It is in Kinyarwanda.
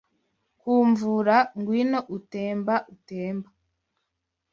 ku mvura Ngwino utemba utemba